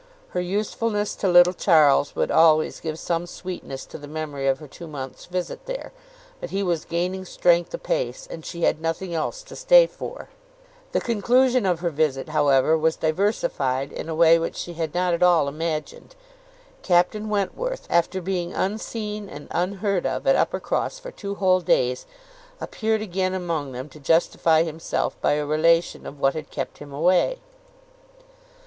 Her usefulness to little Charles would always give some sweetness to the memory of her two months' visit there, but he was gaining strength apace, and she had nothing else to stay for. The conclusion of her visit, however, was diversified in a way which she had not at all imagined. Captain Wentworth, after being unseen and unheard of at Uppercross for two whole days, appeared again among them to justify himself by a relation of what had kept him away.